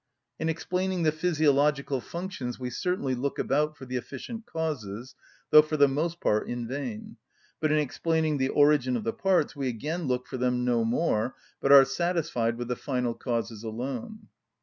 In explaining the physiological functions we certainly look about for the efficient causes, though for the most part in vain; but in explaining the origin of the parts we again look for them no more, but are satisfied with the final causes alone.